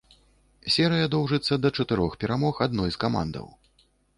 Серыя доўжыцца да чатырох перамог адной з камандаў.